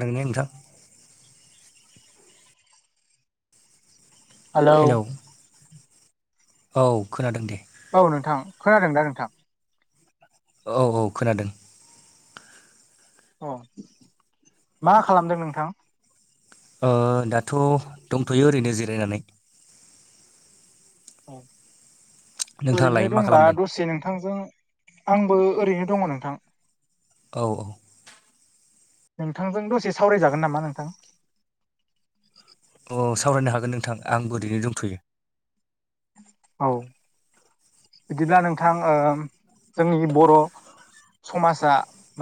लांनाय नोंथां हेलौ औ खोनादों दे औ नोंथां खोनादों दा नोंथां औ औ खोनादों अ मा खालामदों नोंथां दाथ' दंथ'यो ओरैनो जिरायनानै औ नोंथाङालाय ओरैनो मा दंबा खालामदों दसे नोंथांजों आंबो ओरैनो दङ नोंथां औ औ नोंथांजों दसे सावरायजागोन नामा नोंथां अ सावरायनो हागोन नोंथां आं गोदैनो दंफैयो औ बिदिब्ला नोंथां जोंनि बर' समाजा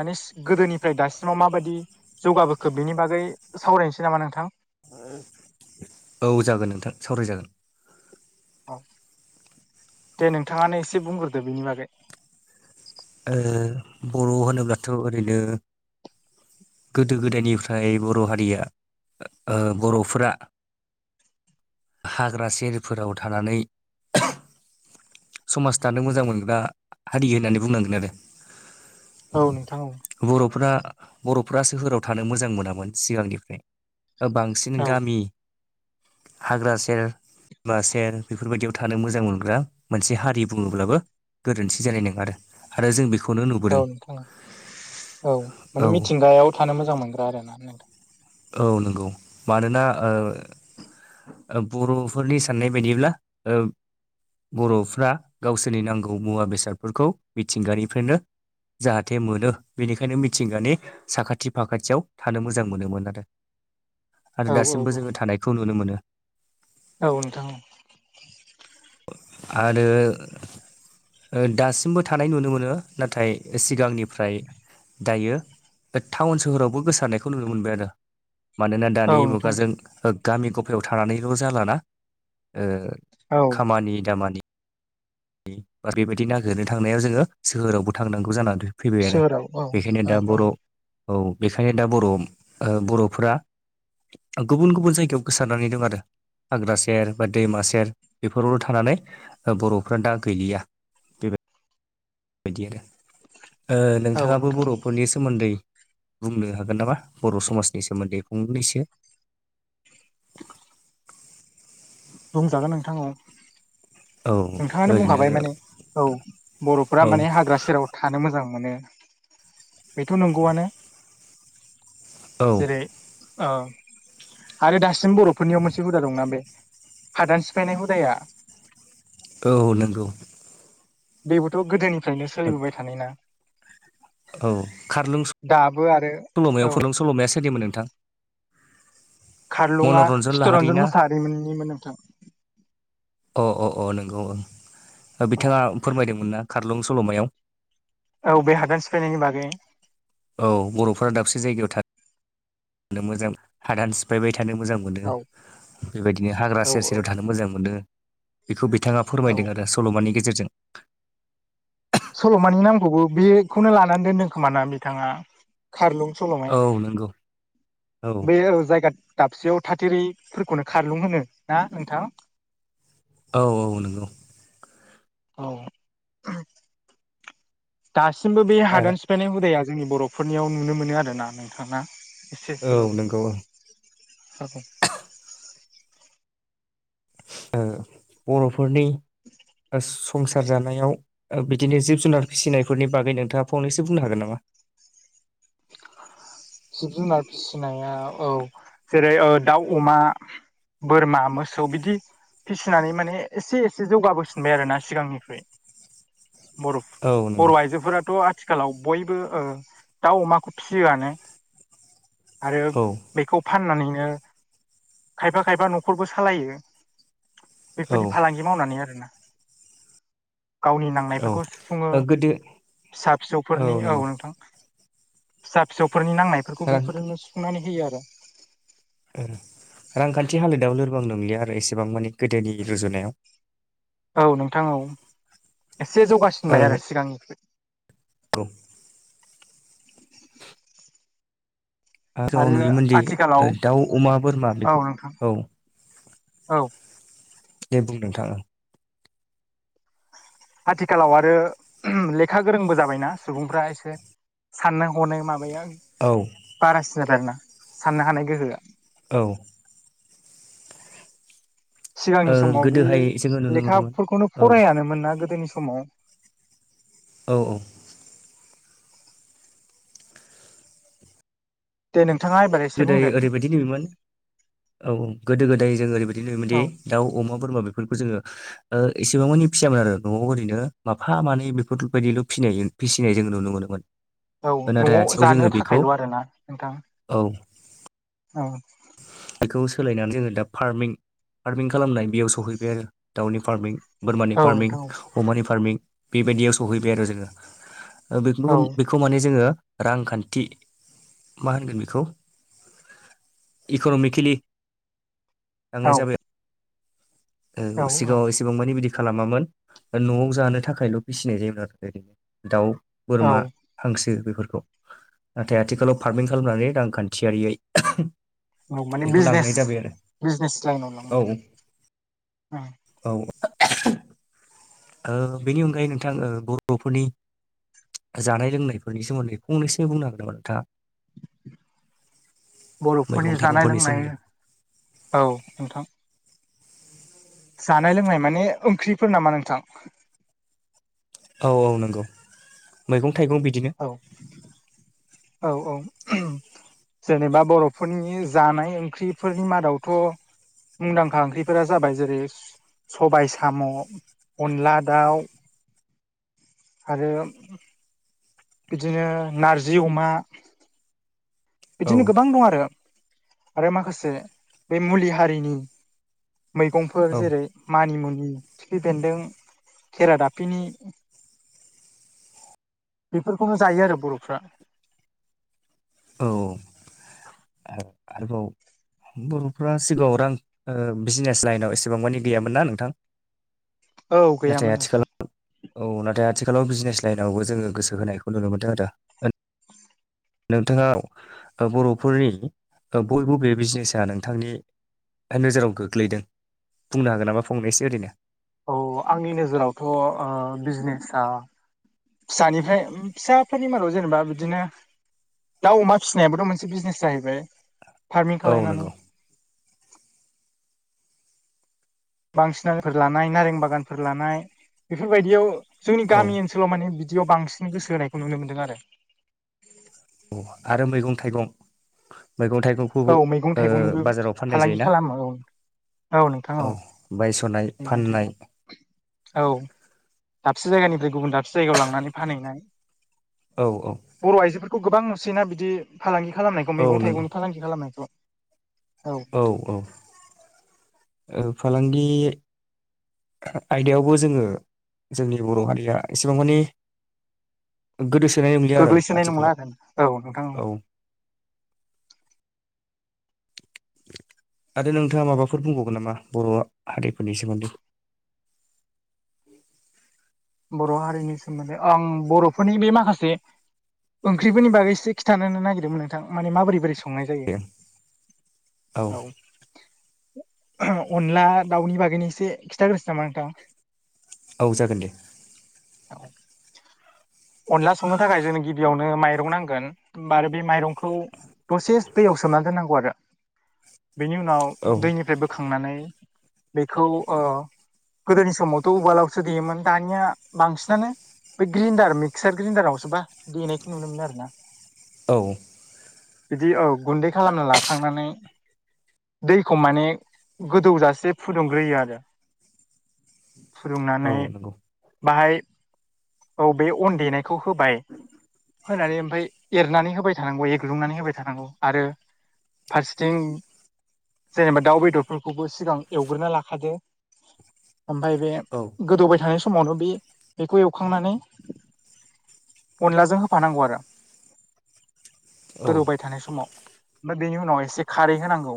माने गोदोनिफ्राय दासिमाव माबायदि जौगाबोखोब बिनि बागै सावरायनोसै नामा नोंथां औ जागोन नोंथां सावरायजागोन औ दे नोंथाङानो एसे बुंग्रोदो बेनि बागै ओ बर' होनोब्लाथ' ओरैनो गोदो गोदायनिफ्राय बर' हारिया बर'फोरा हाग्रा सेरफोराव थानानै समाज दानो मोजां मोनग्रा हारि होननानै बुंनांगोन आरो औ नोंथां औ बर'फा बर'फ्रा सोहाव थानो मोजां मोनामोन सिगांनिफ्राय बांसि बांसिन औ गामि हाग्रा सेर बा सेर बेफोरबायदियाव थानो मोजां मोनग्रा मोनसे हारि बुङोब्लाबो गोरोन्थि जानाय नङा आरो आरो जों बेखौनो नुबगदों औ नोंथां औ औ माने मिथिंगायाव थानो मोजां मोनग्रा आरोना नोंथां औ नंगौ मानोना बर'फोरनि साननाय बायदिब्ला बर'फ्रा गावसोरनि नांगौ मुवा बेसादफोरखौ मिथिंगानिफ्रायनो जाहाथे मोनो बेनिखायनो मिथिंगानि साखाथि फाखाथियाव थानो मोजां मोनोमोन आरो औ आरो औ औ दासिमबो जोङो थानायखौ नुनो मोनो औ नोंथां आरो दासिमबो थानाय नुनो मोनो नाथाय सिगांनिफ्राय दायो बे टाउन सोहोरावबो गोसारनायखौ नुनो मोनबाय आरो मानोना औ दानि नोंथां मुगाजों गामि गफायाव थानानैल' जालाना औ खामानि दामानि बेबायदि नागिरनो थांनायाव जोङो सोहोरावबो थांनांगौ जानानै फैबाय आरो सोहोराव औ बेखायनो औ दा बर' औ बेखायनो दा बर' बर'फोरा गुबुन गुबुन जायगायाव गोसारनानै दं आरो हाग्रा सेर बा दैमा सेर बेफोरावल' थानानै बर'फ्रा दा गैलिया बेबायदि आरो औ नोंथाङाबो नोंथां बर'फोरनि सोमोन्दै बुंनो हागोन नामा बर' समाजनि सोमोन्दै फंनैसो? बुंजागोन नोंथां औ औ नोंथाङानो ओरैनो बुंखाबाय माने औ बर'फोरा औ माने हाग्रा सेराव थानो मोजां मोनो बेथ' नंगौआनो। औ जेर औ आरो दासिम बर'फोरनियाव मोनसे हुदा दंना बे हादान सिफायनाय हुदाया औ नंगौ बेबोथ' गोदोनिफ्रायनो ओ सोलिबोबाय थानाय ना औ खारलुं स दाबो आरो सल'मायाव औ फ ददों नोंथां सल'माया सोदोममोन नोंथां? खारलुङा मनरन्जन लाहारि चितरन्जन ना मुसाहारि मोननिमोन नोंथां। अ अ अ नंगौ औ बिथाङा फोरमायदोंमोन ना खारलं सल'मायाव औ बे हादान सिफायनायनि बागै औ बर'फोरा दाबसे जायगायाव था थानो मोजां हादान सिफायबाय थानो मोजां मोन औ बेबायदिनो हाग्रा औ सेर औ सेराव थानो मोजां मोनो बेखौ बिथाङा औ फोरमायदों आरो स सल'मानि गेजेरजों सल'मानि नामखौबो बेखौनो लानानै दोनदों खोमा ना बिथाङा खारलुं सल'माया औ नोंगौ। बे औ जायगा दाबसेयाव थाथेरैफोरखौनो खारलुं होनो ना नोंथां? औ औ नंगौ औ दासिमबो बे हादान सिफायनाय हुदाया जोंनि बर'फोरनियाव नुनो मोनो आरोना नोंथाङा औ नंगौ ओं। [unintelligible] ओ बर'फोरनि स संसार जानायाव बिदिनो जिब जुनार फिसिनायफोरनि बागै नोंथाङा फंनैसो बुंनो हागोन नामा? जिब जुनार फिसिनाया औ जेरै दाउ अमा बोरमा मोसौ बिदि फिसिनानै माने एसे एसे जौगाबोफिनबाय आरो ना सिगांनिख्रुइ बर' औ नंगौ बर' आइजोफोराथ' आथिखालाव बयबो दाउ अमाखौ फिसियोआनो आरो औ बेखौ फाननानैनो खायफा खायफा न'खरबो सालायो औ बेफोरनि फालांगि मावनानै आरोना गावनि ओ नांनायफोरखौ सुफुङो गोदो फिसा फिसौफोरनि औ नोंथां। फिसा फिसौफोरनि नांनायफोरखौ रां बेफोरजोंनो सुफुंनानै होयो आरो। रांखान्थि हालोदाव लोरबां नंलिया आरो एसेबां मानिे गोदोनि रुजुनायाव। औ नोंथां औ एसे ओ जौगासिनबाय आरो सिगांनिख्रुइ [unintelligible] आरो जाव नुयोमोनदि दाउ अमा बोरमा औ नोंथां बेफोर औ औ दे बुं नोंथां आथिखालाव आरो लेखा गोरोंबो जाबायना सुबुंफ्रा एसे। साननाय हनाय माबाया औ बारासो जादो आरोना साननो हानाय गोहोआ औ सिगांनि समावदि गोदोहाय जोङो नुनो मोनोमोन लेखाफोरखौनो औ फरायानोमोन ना गोदोनि समाव औ औ दे नोंथाङा एबार एसे गोदाय बुंदो ओरैबायदि नुयोमोन औ औ गोदो गोदाय जों ओरैबायदि नुयोमोनदि औ दाउ अमा बोरमा बेफोरखौ जोङो ओ एसेबां मानि फियामोन आरो न'आव ओरैनो माफा मानै बेफोरबायदिल' फिनाय फिसिनाय जोङो नुनो मोनोमोन। औ नाथाय न'आव आथिखालाव जोङो जानो बेखौ थाखायल' आरोना नोंथां? औ। औ। बेखौ सोलायनानै जोङो दा फार्मिं फार्मिं खालामनाय बेयाव सहैबाय आरो दाउनि फार्मिं। बोरमानि औ फार्मिं नोंथां अमानि फार्मिं बेबायदियाव सहैबाय आरो जोङो ओ औ औ बे [unintelligible] खौ माने जोङो रांखान्थि मा होनगोन बे खौ इक'नमिकेलि औ लांनाय जाबाय औ औ सिगाङाव एसेबां मानि बिदि खालामामोन न'आव जानो थाखायल' फिसिनाय जायोमोन आरो ओरैनो दाउ औ बोरमा हांसो बेफोरखौ नाथाय आथिखालाव फार्मिं खालामनानै रांखान्थियारियै औ माने बेखौ बिजनेस लांनाय जाबाय आरो बिजनेस लाइनाव औ लांबाय आरो ओं। औ। ओ बेनि अनगायै नोंथां ओ बर'फोरनि जानाय लोंनायफोरनि सोमोन्दै फंनैसो बुंनो हागोन नामा नोंथाङा? बर'फोरनि मैगं जानाय थाइगंफोरनि लोंनाय सोमोन्दै? औ नोंथां। जानाय लोंनाय माने ओंख्रिफोर नामा नोंथां? औ औ नंगौ मैगं थाइगं बिदिनो। औ औ औ [unintelligible] जेनेबा बर'फोरनि जानाय ओंख्रिफोरनि मादावथ' मुंदांखा ओंख्रिफोरा जाबाय जेरै सबाय साम' अनला दाउ आरो बिदिनो नारजि अमा औ बिदिनो गोबां दं आरो आरो माखासे बे मुलि हारिनि मैगंफोर औ। जेरै मानिमुनि खिफि बेन्दों खेरा दाफपिनि बेफोरखौनो जायो आरो बर'फ्रा। औ औ। आरोबाव बर'फ्रा सिगाङाव रां ओ बिजनेस लाइनाव एसेबां मानि गैयामोन ना नोंथां? औ नाथाय गैयामोन नोंथां। आथिखालाव औ नाथाय आथिखालाव बिजनेस लाइनावबो जोङो गोसो होनायखौ नुनो मोनदों आरो। नोंथाङाव बर'फोरनि बयबो बे बिजनेसा नोंथांनि नोजोराव गोग्लैदों बुंनो हागोन नामा फंनोसै ओरैनो? औ आंनि नोजोरावथ' बिजनेसा फिसानिफ्राय फिसाफोरनि मादाव जेनेबा बिदिनो दाउ अमा फिसिनायाबोथ' मोनसे बिजनेस जाहैबाय फार्मिं औ नंगौ खालायनानै बांसिना फोर लानाय नारें बागानफोर लानाय बेफोरबायदियाव जोंनि औ गामि सोलाव माने बिदियाव बांसिन गोसो होनायखौ नुनो मोन्दों आरो। औ आरो मैगं थाइगं। मैगं थाइगंखौबो औ मैगं ओ थाइगंनिबो बाजाराव फाननाय फालांगि जायोना। खालामो औ औ बायस'नाय मैगं थाइगं फाननाय औ दाबसे जायगानिफ्राय गुबुन दाबसे जायगायाव लांनानै फानहैनाय। औ औ। बर' आइजोफोरखौ गोबां नुसैना बिदि फालांगि खालामनायखौ औ मैगं नंगौ थाइगंनि फालांगि खालामनायखौ। औ औ ओ फालांगि आयदायावबो जोङो जोंनि बर' हारिया एसेबां मानि गोदोसोनाय नंलिया आरो गोग्लैसोनाय नंला आरो औ नोंथां आथिखालाव औ आरो नोंथाङा माबाफोर बुंबावगोन नामा बर' हारिफोरनि सोमोन्दै? बर' हारिनि सोमोन्दै आं बर'फोरनि बे माखासे ओंख्रिफोरनि बागैसो खिथानो नों नागिरदोंमोन नोंथां माने माबोरै बोरै स संनाय जायो औ अनला दाउनि बागैनो एसे खिन्थाग्रोसै नामा नोंथां? औ जागोन दे [inaudible] अनला संनो थाखाय जोंनो गिबियावनो माइरं नांगोन। होमबा आरो बे माइरंखौ दसे दैयाव सोमनानै दोननांगौ आरो। बेनि उनाव औ दैनिफ्राय बोखांनानै बेखौ ओ गोदोनि समावथ' उवालावसो देयोमोन दानिया बांसिनानो बै ग्रिनडार मि मिक्सार ग्रेन्डारावसो बा देनायखौ नुनो मोनो आरो ना। औ बिदि औ गुन्दै खालामना लाखांनानै दैखौ माने गोदौजासे फुदुंग्रोयो आरो फुदुंनानै औ नंगौ बाहाय औ बे अन देनायखौ होबाय फोनानै ओमफाय एरनानै होबाय थानांगौ एग्लुंनानै होबाय थानांगौ आरो फारसेथिं जेनेबा दाउ बेदरफोरखौबो सिगां एवग्रोना लाखादो ओमफाय बे औ गोदौबाय थानाय समावनो बे बेखौ एवखांनानै अनलाजों होफानांगौ आरो औ गोदौबाय थानाय समाव। ओमफाय बेनि उनाव एसे खारै होनांगौ।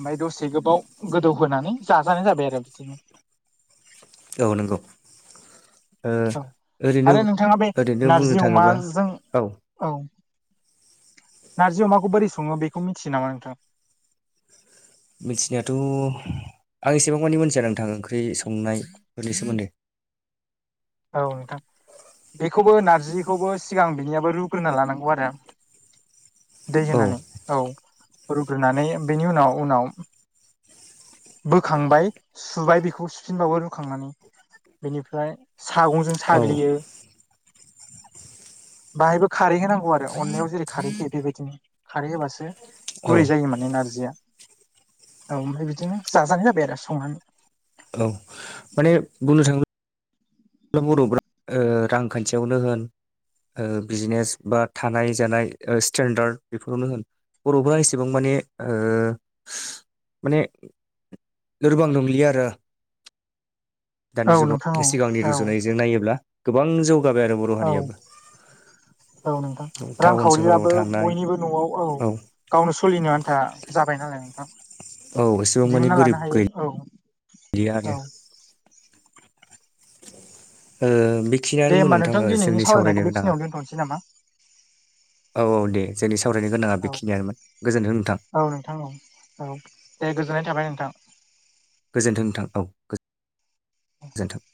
ओमफाय दसे गोबाव गोदौ होनानै जाजानाय जाबाय आरो बिदिनो। औ नोंगौ। ओ औ ओरैनो आरो नोंथाङा बे ओरैनो बुंनो नारजि थाङोबा अमाजों औ। औ नारजि अमाखौ बोरै सङो बेखौ मिथियो नामा नोंथां? मिथिनायाथ' आं एसेबां मानि मोनथिया नोंथां ओंख्रि संनायफोरनि सोमोन्दै औ नोंथां बेखौबो नारजिखौबो सिगां बिनियाबो रुग्रोना लानांगौ आरो। दै औ होनानै औ रुग्रोनानै बेनि उनाव उनाव बोखांबाय सुबाय बेखौ सुफिनबावो रुखांनानै बेनिफ्राय सागंजों औ साग्लियो। [inaudible] बाहायबो खारै होनांगौ आरो अनलायाव जेरै खारै होयो बेबायदिनो खारै होबासो औ गुरै जायो माने नारजिया औ ओमफ्राय बिदिनो जाजानाय जाबाय आरो संनानै। औ माने बुंनो थाङो बा बर'फ्रा ओ रांखान्थियावनो होन ओ बिजनेस बा थानाय जानाय ओ स्टेेनडार्ड बेफोर [unintelligible] नो होन बर'फोरा एसेबां माने ओ माने लोरबां नंलिया आरो औ दानि नोंथां जुगाव औ सिगांनि औ रुजुनाय जों नायोब्ला गोबां जौगाबाय आरो बर' औ हारियाबो औ नोंथां टाउन सोहोराव रांखावरियाबो थांनाय बयनिबो न'आव औ गावनो सलिनो आन्था जाबाय नालाय नोंथां औ एसेबां माने दिहुन्ना गोरिब लानो हायो औ [unintelligible] औ आरो ओ बिखिनियानोमो नोंथां ओ जोंनि सावरायनो गोनाङा दोथ'नोसै नामा? औ औ दे जोंनि सावरायनो गोनाङा औ बेखिनियानोमोन गोजोन्थों नोंथां। औ नोंथां औ औ दे गोजोननाय थाबाय नोंथां। गोजोन्थों नोंथां औ गोजोनथों।